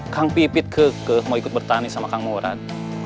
kang pipit keke mau ikut bertani sama kang murad